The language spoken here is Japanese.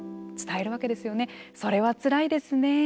「それはつらいですね。